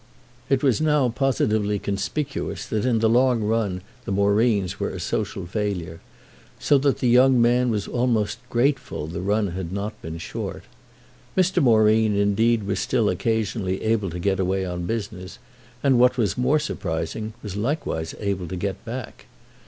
It was now positively conspicuous that in the long run the Moreens were a social failure; so that the young man was almost grateful the run had not been short. Mr. Moreen indeed was still occasionally able to get away on business and, what was more surprising, was likewise able to get back.